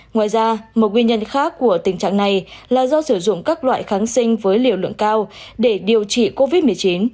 ngoài ra một nguyên nhân khác của tình trạng này là do sử dụng các loại kháng sinh với liều lượng cao để điều trị covid một mươi chín